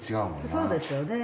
そうですよね。